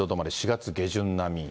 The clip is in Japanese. ４月下旬並み。